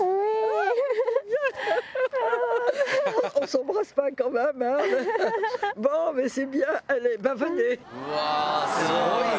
うわー、すごいな。